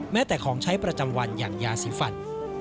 แต่ของใช้ประจำวันอย่างยาสีฟัน